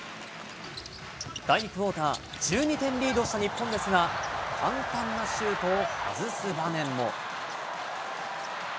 第２クオーター、１２点リードした日本ですが、簡単なシュートを外す場面も。